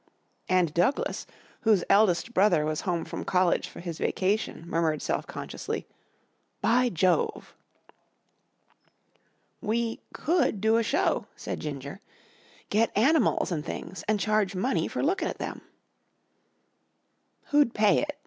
and Douglas, whose eldest brother was home from college for his vacation, murmured self consciously, "By Jove!" "We could do a show," said Ginger. "Get animals an' things an' charge money for lookin' at them." "Who'd pay it?"